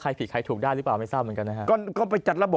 ผิดใครถูกได้หรือเปล่าไม่ทราบเหมือนกันนะครับ